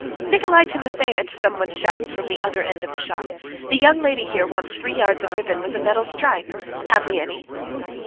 "Nikolay Timofeitch!" somebody shouts from the other end of the shop. "The young lady here wants three yards of ribbon with a metal stripe. Have we any?"